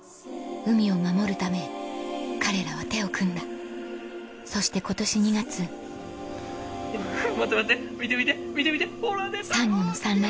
海を守るため彼らは手を組んだそして今年２月待って待って見て見て。